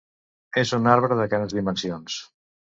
És un arbre de grans dimensions.